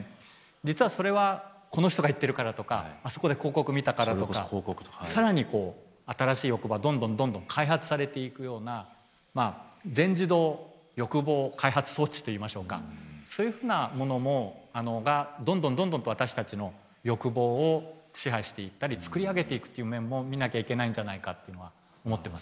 実はそれはこの人が言ってるからとかあそこで広告見たからとか更にこう新しい欲がどんどんどんどん開発されていくような全自動欲望開発装置といいましょうかそういうふうなものがどんどんどんどんと私たちの欲望を支配していったり作り上げていくっていう面も見なきゃいけないんじゃないかっていうのは思ってますね。